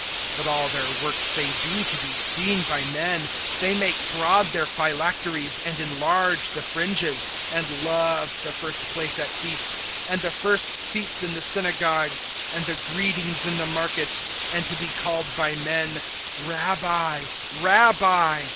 (5)But all their works they do to be seen by men; they make broad their phylacteries, and enlarge the fringes; (6)and love the first place at feasts, and the first seats in the synagogues, (7)and the greetings in the markets, and to be called by men, Rabbi, Rabbi[23:7].